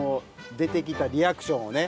出てきたリアクションをね。